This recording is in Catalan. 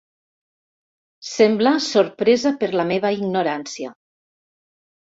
Sembla sorpresa per la meva ignorància.